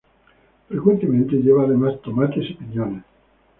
Frecuentemente lleva además tomates y piñones.